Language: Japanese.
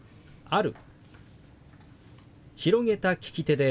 「ある」。